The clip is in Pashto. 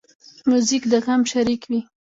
موزیک د غم شریک وي.